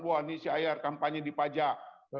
wah ini si ayer kampanye dipajak